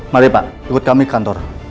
mari pak ikut kami kantor